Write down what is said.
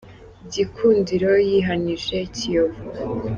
Gikunsdiro yihanije Kiyovu